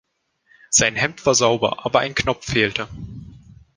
Sein Hemd war sauber, aber ein Knopf fehlte.